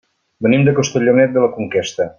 Venim de Castellonet de la Conquesta.